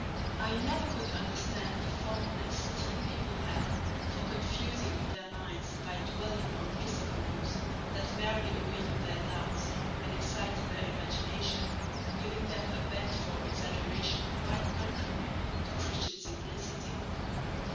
I never could understand the fondness some people have for confusing their minds by dwelling on mystical books that merely awaken their doubts and excite their imagination, giving them a bent for exaggeration quite contrary to Christian simplicity.